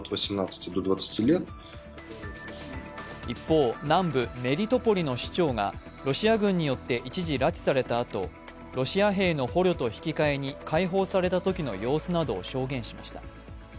一方、南部メリトポリの市長がロシア軍によって一時拉致されたあと、ロシア兵の捕虜と引き換えに解放されたときの様子などを証言しました。